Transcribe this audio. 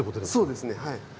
そうですねはい。